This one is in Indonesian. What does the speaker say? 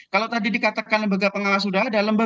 kalau tadi dikatakan lembaga pengawas sudah ada lembaga